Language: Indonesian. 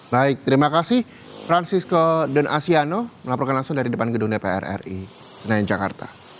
baik terima kasih francisco dan asyano melaporkan langsung dari depan gedung dpr ri senayan jakarta